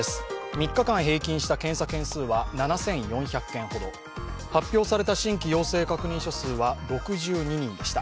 ３日間平均した検査件数は７４００件ほど発表された新規陽性確認者数は６２人でした。